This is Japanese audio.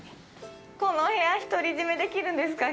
この部屋、独り占めできるんですか！？